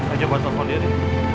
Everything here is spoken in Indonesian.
ayo buat telfon diri